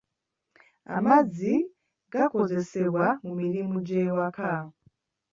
Amazzi gakozesebwa mu mirimu gy'awaka.